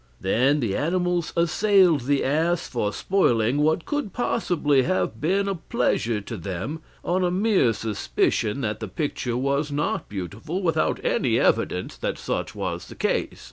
Then the animals assailed the ass for spoiling what could possibly have been a pleasure to them, on a mere suspicion that the picture was not beautiful, without any evidence that such was the case.